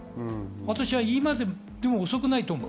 私は今でも遅くないと思う。